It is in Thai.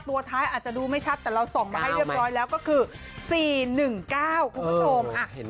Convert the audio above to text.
ตัวท้ายอาจจะดูไม่ชัดแต่เราส่องมาให้เรียบร้อยแล้วก็คือ๔๑๙คุณผู้ชม